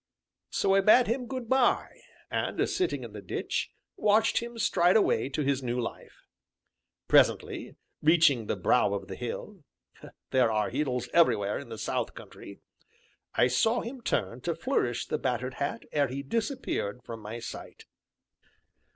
So I bade him good by, and, sitting in the ditch, watched him stride away to his new life. Presently, reaching the brow of the hill (there are hills everywhere in the South country), I saw him turn to flourish the battered hat ere he disappeared from my sight.